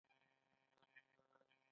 افغانان ولې علم زده کول غواړي؟